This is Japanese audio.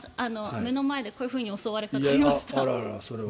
目の前でこういうふうに襲われたことありました。